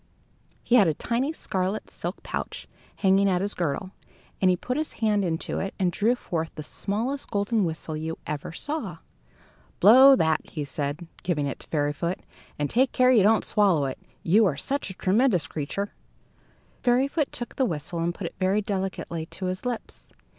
He had a tiny scarlet silk pouch hanging at his girdle, and he put his hand into it and drew forth the smallest golden whistle you ever saw. "Blow that," he said, giving it to Fairyfoot, "and take care that you don't swallow it. You are such a tremendous creature!" Fairyfoot took the whistle and put it very delicately to his lips.